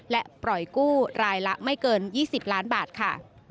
และปล่อยกู้รายละไม่เกิน๒๐ล้านบาทค่ะ